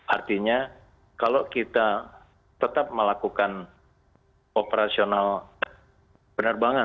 artinya kalau kita tetap melakukan operasional penerbangan